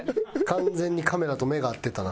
完全にカメラと目が合ってたな。